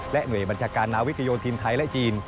หน่วยบัญชาการนาวิกโยธินไทยและจีน